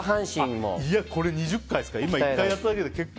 これを２０回ですか１回やっただけで結構。